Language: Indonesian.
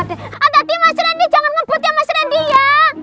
hati hati mas rendy jangan ngeput ya mas rendy ya